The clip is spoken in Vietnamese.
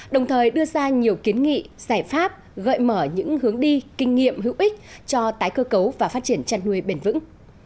đồng thời đưa ra nhiều kiến nghị giải pháp gợi mở những hướng đi kinh nghiệm hữu ích cho tái cơ cấu và phát triển chăn nuôi bền vững